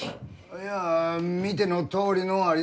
いや見てのとおりのありさまだ。